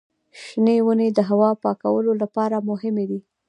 شنې ونې د هوا پاکولو لپاره مهمې دي.